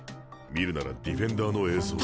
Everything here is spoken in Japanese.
見るならディフェンダーの映像を。